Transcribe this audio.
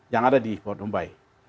yang ada di kondombai